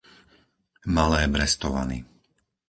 Malé Brestovany